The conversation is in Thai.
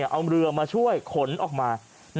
เอาเรือมาช่วยขนออกมา